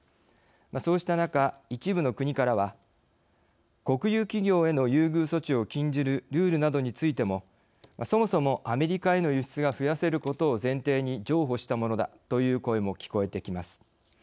そうした中、一部の国からは国有企業への優遇措置を禁じるルールなどについてもそもそもアメリカへの輸出が増やせることを前提に譲歩したものだという声も聞こえてきます。